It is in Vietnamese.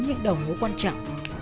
những đầu ngũ quan trọng